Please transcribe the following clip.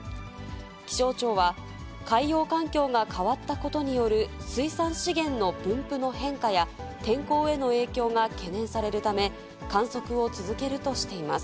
気象庁は、海洋環境が変わったことによる水産資源の分布の変化や、天候への影響が懸念されるため、観測を続けるとしています。